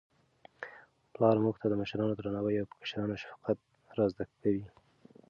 پلار موږ ته د مشرانو درناوی او په کشرانو شفقت را زده کوي.